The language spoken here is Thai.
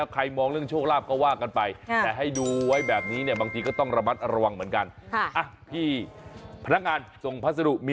เออมันความรู้ไว้ว่ามันดุร้ายเหมือนกันนะครับ